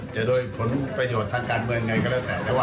จะโดยผลประโยชน์ทางการเมืองไงก็แล้วแต่